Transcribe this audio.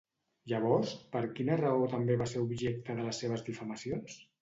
Llavors, per quina raó també va ser objecte de les seves difamacions?